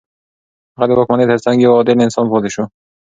هغه د واکمنۍ تر څنګ يو عادل انسان پاتې شو.